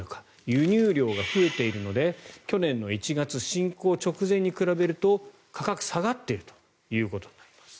輸入量が増えているので去年の１月、侵攻直前に比べると価格、下がっているということになります。